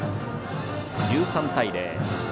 １３対０。